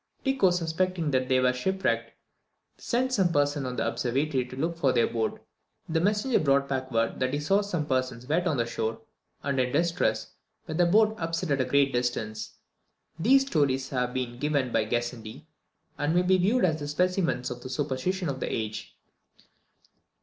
Tycho, suspecting that they were shipwrecked, sent some person to the observatory to look for their boat. The messenger brought back word that he saw some persons wet on the shore, and in distress, with a boat upset at a great distance. These stories have been given by Gassendi, and may be viewed as specimens of the superstition of the age.